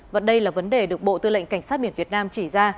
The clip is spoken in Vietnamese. và đây là vấn đề được bộ tư lệnh cảnh sát biển việt nam chỉ ra